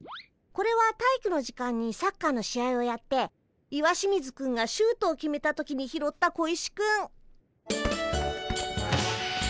これは体育の時間にサッカーの試合をやって石清水くんがシュートを決めた時に拾った小石くん。